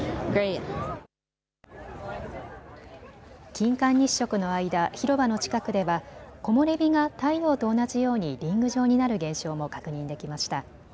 金環日食の間、広場の近くでは木漏れ日が太陽と同じようにリング状になる現象も確認できました。